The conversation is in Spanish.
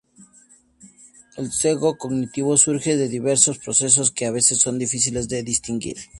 El sesgo cognitivo surge de diversos procesos que a veces son difíciles de distinguir.